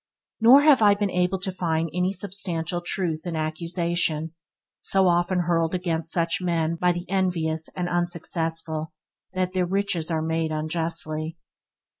Nor have I been able to find any substantial truth in the accusation, so often hurled against such men by the envious and unsuccessful, that their riches are made unjustly.